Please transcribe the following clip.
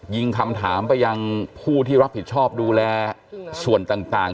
คำถามไปยังผู้ที่รับผิดชอบดูแลส่วนต่าง